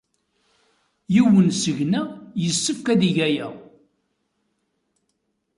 Yiwen seg-neɣ yessefk ad yeg aya.